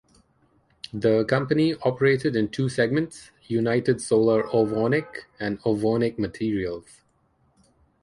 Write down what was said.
The Company operated in two segments: United Solar Ovonic and Ovonic Materials.